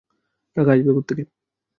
টাকা আসবে কোত্থেকে?